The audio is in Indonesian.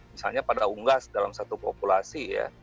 misalnya pada unggas dalam satu populasi ya